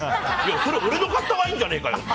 それ俺の買ったワインじゃねえかよって。